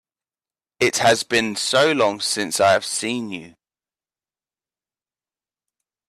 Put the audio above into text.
It has been so long since I have seen you!